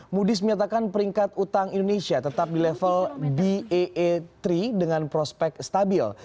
⁇ oodies menyatakan peringkat utang indonesia tetap di level baa tiga dengan prospek stabil